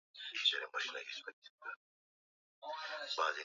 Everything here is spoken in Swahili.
mtindo wa maisha usiofaa kiafya unaweza kusababisha kisukari